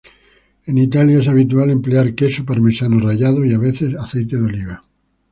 En Italia es habitual emplear queso parmesano rallado y a veces aceite de oliva.